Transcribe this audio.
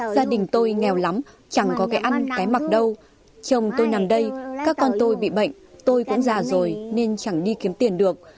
gia đình tôi nghèo lắm chẳng có cái ăn cái mặc đâu chồng tôi nằm đây các con tôi bị bệnh tôi cũng già rồi nên chẳng đi kiếm tiền được